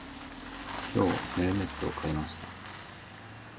今日、ヘルメットを買いました。